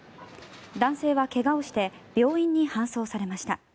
男性は怪我をして病院に搬送されました。